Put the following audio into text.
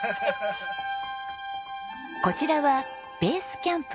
こちらはベースキャンプはる。